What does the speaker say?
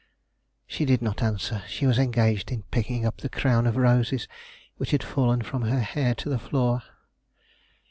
She did not answer; she was engaged in picking up the crown of roses which had fallen from her hair to the floor.